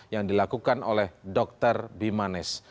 yang dilakukan oleh dr bimanes